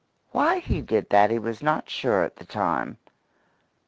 Why he did that he was not sure at the time.